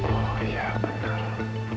oh iya bener